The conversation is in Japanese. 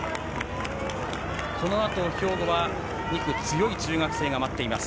このあと兵庫は２区、強い中学生が待っています。